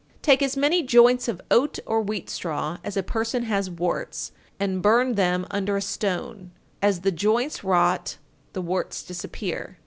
_ 925. Take as many joints of oat or wheat straw as a person has warts, and burn them under a stone. As the joints rot, the warts disappear.